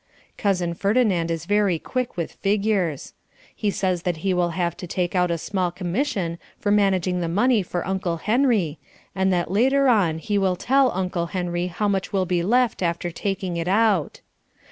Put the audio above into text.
Cousin Ferdinand is very quick with figures. He says that he will have to take out a small commission for managing the money for Uncle Henry, and that later on he will tell Uncle Henry how much will be left after taking it out.